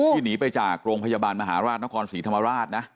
หนีไปจากโรงพยาบาลมหาราชนครศรีธรรมราชนะ